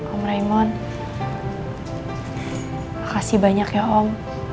om raimon makasih banyak ya om